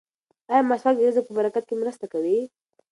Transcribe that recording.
ایا مسواک د رزق په برکت کې مرسته کوي؟